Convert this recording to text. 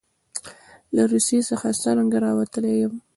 له روسیې څخه څرنګه راوتلی یم.